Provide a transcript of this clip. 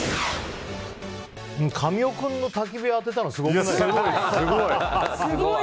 神尾君のたき火を当てたのすごくない？